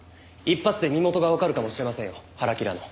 一発で身元がわかるかもしれませんよハラキラの。